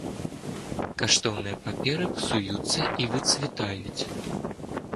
Каштоўныя паперы псуюцца і выцвітаюць.